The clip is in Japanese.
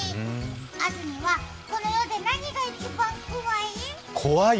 安住はこの世で何が一番怖い？